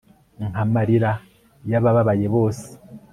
Nka marira yabababaye bose